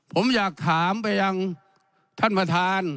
ผมอยากถามไปยังท่านประธาน